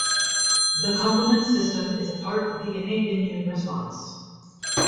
The complement system is a part of the innate immune response.